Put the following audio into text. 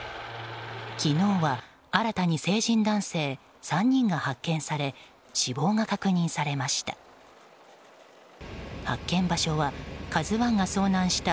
昨日は新たに成人男性３人が発見され死亡が確認されました。